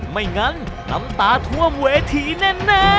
ไม่งั้นน้ำตาท่วมเวทีแน่